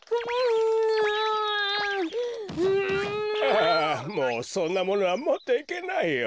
あもうそんなものはもっていけないよ。